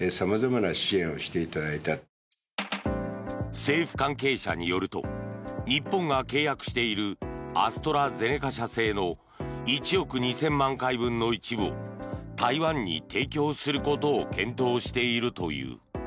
政府関係者によると日本が契約しているアストラゼネカ社製の１億２０００万回分の一部を台湾に提供することを検討しているという。